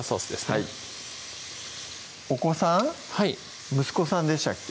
はいお子さん息子さんでしたっけ？